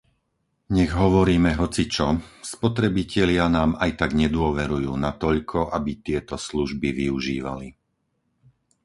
Nech hovoríme hocičo, spotrebitelia nám aj tak nedôverujú natoľko, aby tieto služby využívali.